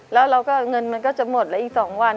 แล้วเราก็เงินมันก็จะหมดแล้วอีก๒วัน